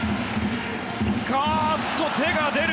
手が出る。